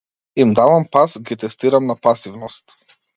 Им давам пас, ги тестирам на пасивност.